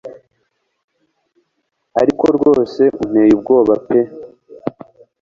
ariko rwose unteye ubwoba pe